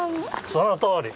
そのとおり！